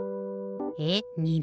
えっにる？